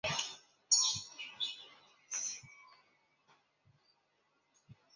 隋文帝赏赐给李德林叛臣王谦的住宅。